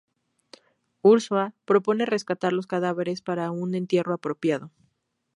Ursúa propone rescatar los cadáveres para un entierro apropiado.